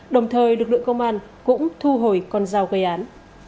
đồng thời lực lượng công an cũng thu hồi con dao gây án